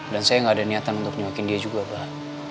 dan saya gak ada niatan untuk nyakitin dia juga mbah